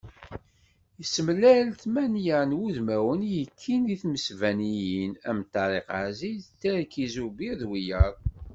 Yessemlal tmanya n wudmawen i yekkin di tmesbaniyin am Tari Aziz, Terki Zubir d wiyaḍ.